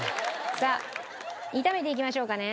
さあ炒めていきましょうかね。